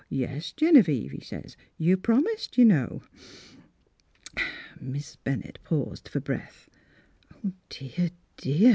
' Yes, Genevieve,' he sez. ' You've promised, you know.' " Miss Bennett paused for breath. " Dear, dear !